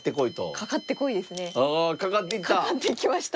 かかっていきました。